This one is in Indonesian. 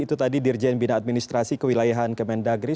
itu tadi dirjen bina administrasi kewilayahan kemendagri